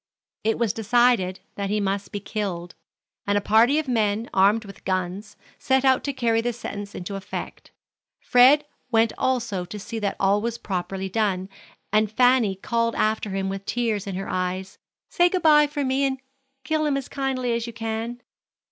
It was decided that he must be killed, and a party of men, armed with guns, set out to carry the sentence into effect. Fred went also to see that all was properly done, and Fanny called after him with tears in her eyes: "Say good by for me, and kill him as kindly as you can."